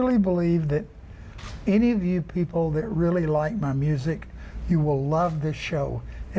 และฉันเชื่อว่าถ้าใครที่ชอบเมื่อหน่อยคุณจะชอบเวลานี้